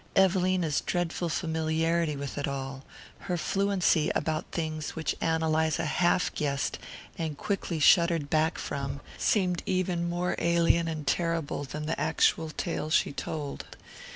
Evelina's dreadful familiarity with it all, her fluency about things which Ann Eliza half guessed and quickly shuddered back from, seemed even more alien and terrible than the actual tale she told.